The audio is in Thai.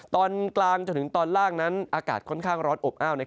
ตอนกลางจนถึงตอนล่างนั้นอากาศค่อนข้างร้อนอบอ้าว